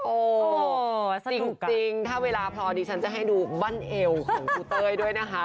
จริงถ้าเวลาพอดีฉันจะให้ดูบั้นเอวของครูเต้ยด้วยนะคะ